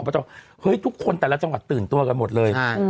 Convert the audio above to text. เฮ้ยทุกคนแต่ละจังหวัดตื่นตัวกันหมดเลย